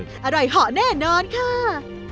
อร่อยเหาะแน่นอนค่ะ